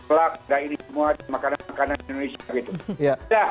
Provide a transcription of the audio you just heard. selak dan ini semua makanan makanan indonesia